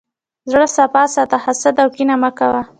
زړه صفا ساته، حسد او کینه مه کوه.